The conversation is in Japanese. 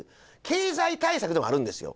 経済対策でもあるんですよ。